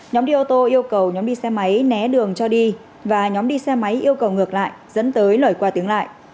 nhóm đi ô tô yêu cầu nhóm đi xe máy né đường cho đi và nhóm đi xe máy yêu cầu ngược lại dẫn tới lời qua tiếng lại